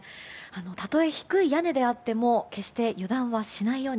たとえ低い屋根であっても決して油断はしないように。